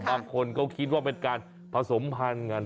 บางคนก็คิดว่าเป็นการผสมพันธุ์กัน